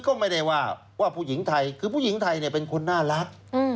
ก็ไม่ได้ว่าว่าผู้หญิงไทยคือผู้หญิงไทยเป็นคนน่ารัก